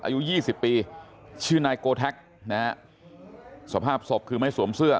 อายุยี่สิบปีชื่อนายโกแท็กนะฮะสภาพศพคือไม่สวมเสื้อ